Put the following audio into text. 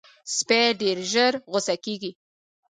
سپي ډېر ژر غصه کېږي.